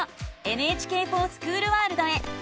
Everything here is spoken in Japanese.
「ＮＨＫｆｏｒＳｃｈｏｏｌワールド」へ。